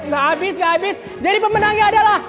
gak habis gak habis jadi pemenangnya adalah